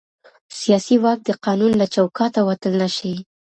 سیاسي واک د قانون له چوکاټه وتل نه شي